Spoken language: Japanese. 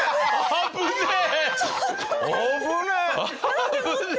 危ねえ！